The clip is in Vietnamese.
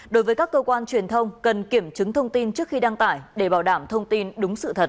đối với các cơ quan truyền thông cần kiểm chứng thông tin trước khi đăng tải để bảo đảm thông tin đúng sự thật